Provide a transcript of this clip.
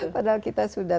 padahal kita sudah